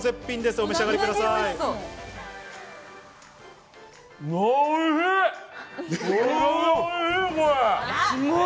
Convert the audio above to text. お召し上がりください。